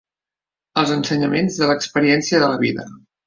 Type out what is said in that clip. Els ensenyaments de l'experiència de la vida.